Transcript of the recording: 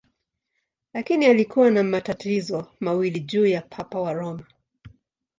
Lakini alikuwa na matatizo mawili juu ya Papa wa Roma.